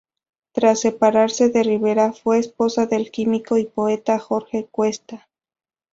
Tras separarse de Rivera fue esposa del químico y poeta Jorge Cuesta.